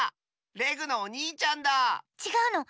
レグのおにいちゃんだ！ちがうの。